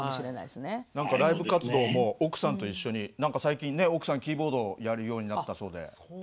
何かライブ活動も奥さんと一緒に何か最近ね奥さんキーボードをやるようになったそうで。